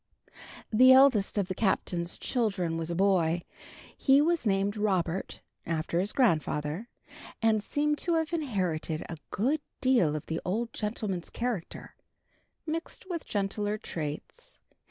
III. The eldest of the Captain's children was a boy. He was named Robert, after his grandfather, and seemed to have inherited a good deal of the old gentleman's character, mixed with gentler traits.